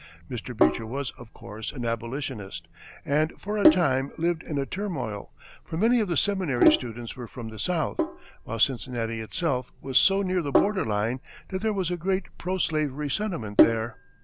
Mr. Beecher was, of course, an Abolitionist, and for a time lived in a turmoil, for many of the seminary students were from the south, while Cincinnati itself was so near the borderline that there was a great pro slavery sentiment there.